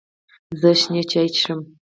زه شین چای څښم